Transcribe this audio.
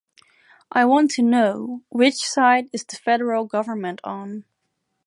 I want to know, which side is the federal government on?